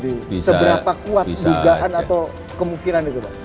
seberapa kuat dugaan atau kemungkinan itu pak